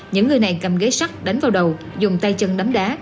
những người này cầm ghế sắt đánh vào đầu dùng tay chân đấm đá